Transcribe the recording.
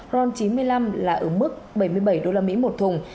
ron chín mươi năm là ứng mức bảy mươi bảy đô la mỹ một thùng